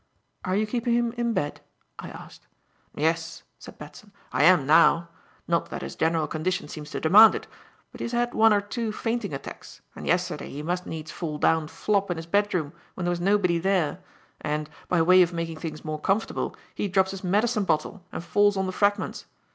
"Are you keeping him in bed?" I asked. "Yes," said Batson, "I am now; not that his general condition seems to demand it. But he has had one or two fainting attacks, and yesterday he must needs fall down flop in his bedroom when there was nobody there, and, by way of making things more comfortable, he drops his medicine bottle and falls on the fragments.